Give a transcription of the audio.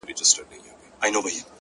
o خدايه ته لوی يې،